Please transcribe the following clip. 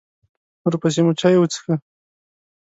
ورپسې مو چای وڅښه.